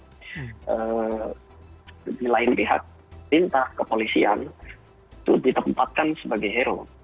dari lain pihak pinta kepolisian itu ditempatkan sebagai hero